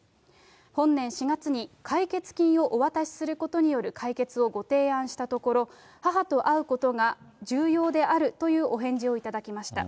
本年４月に、解決金をお渡しすることによる解決をご提案したところ、母と会うことが重要であるというお返事を頂きました。